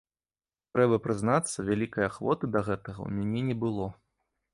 Трэба прызнацца, вялікай ахвоты да гэтага ў мяне не было.